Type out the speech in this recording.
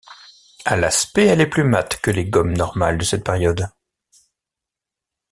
À l'aspect, elle est plus mate que les gommes normales de cette période.